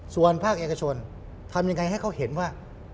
ส่วนภาคเอกชนทำยังไงให้เขาเห็นว่า